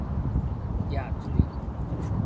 搤水